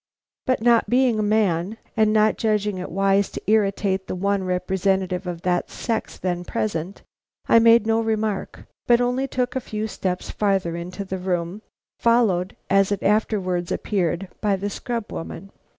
But not being a man, and not judging it wise to irritate the one representative of that sex then present, I made no remark, but only took a few steps farther into the room, followed, as it afterwards appeared, by the scrub woman.